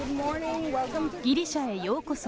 ギリシャへようこそ。